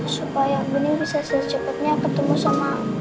supaya bening bisa secepatnya ketemu sama